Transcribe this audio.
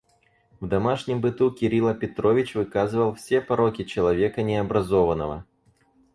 В домашнем быту Кирила Петрович выказывал все пороки человека необразованного.